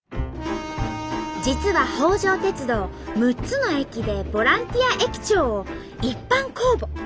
実は北条鉄道６つの駅でボランティア駅長を一般公募。